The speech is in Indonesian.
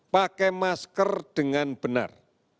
pakai masker dengan benar